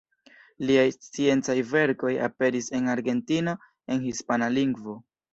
Liaj sciencaj verkoj aperis en Argentino en hispana lingvo.